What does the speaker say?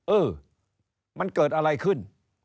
เออมันเกิดอะไรขึ้น